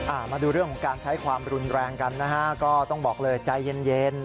มาดูเรื่องของการใช้ความรุนแรงกันนะฮะก็ต้องบอกเลยใจเย็นเย็น